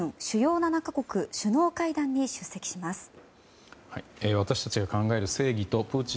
主要７か国首脳会談に出席します。